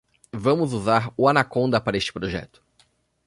Vamos usar o Anaconda para este projeto.